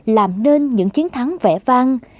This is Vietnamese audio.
làm nên những chiến thắng vẻ vang